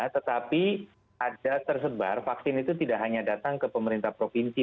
tetapi ada tersebar vaksin itu tidak hanya datang ke pemerintah provinsi